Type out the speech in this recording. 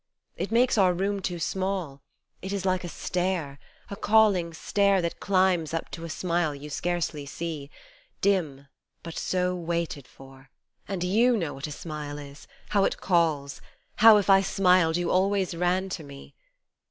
It makes our room too small : it is like a stair, A calling stair that climbs up to a smile you scarcely see, Dim, but so waited for ; and you know what a smile is, how it calls, How if I smiled you always ran to me.